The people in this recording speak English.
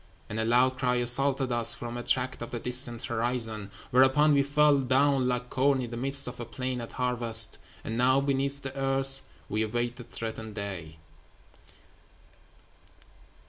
And a loud cry assaulted us from a tract of the distant horizon; Whereupon we fell down like corn in the midst of a plain at harvest; And now, beneath the earth, we await the threatened day.'